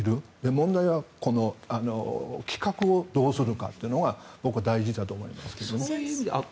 問題は企画をどうするかというのが僕は大事だと思います。